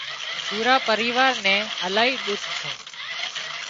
پورا پريوار نين الاهي ۮُک ڇون